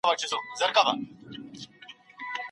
دا مطالعه نظم راوستلی سي.